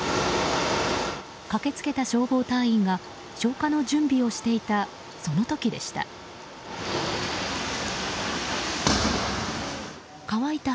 駆け付けた消防隊員が消火の準備をしていたその時でした。